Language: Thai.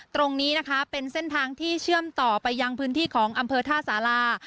ตรงนี้นะคะเป็นเส้นทางที่เชื่อมต่อไปยังพื้นที่ของอำเภอท่าสารา